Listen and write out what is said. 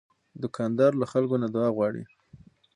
دوکاندار له خلکو نه دعا غواړي.